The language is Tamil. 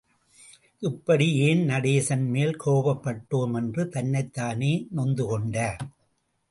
இப்படி ஏன் நடேசன் மேல் கோபப்பட்டோம் என்று தன்னைத் தானே நொந்து கொண்டார்.